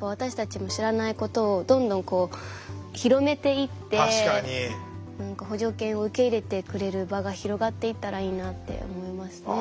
私たちの知らないことをどんどん広めていって補助犬を受け入れてくれる場が広がっていったらいいなって思いましたね。